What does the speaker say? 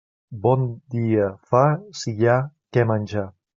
Bon dia fa si hi ha què menjar.